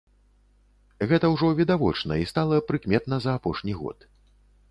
Гэта ўжо відавочна і стала прыкметна за апошні год.